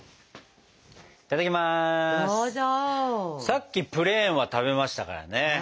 さっきプレーンは食べましたからね。